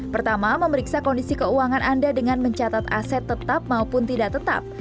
pertama memeriksa kondisi keuangan anda dengan mencatat aset tetap maupun tidak tetap